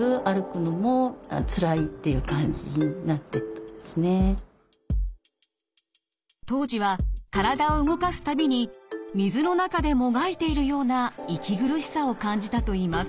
ちょうど当時は体を動かす度に水の中でもがいているような息苦しさを感じたといいます。